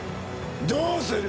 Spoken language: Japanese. どうする？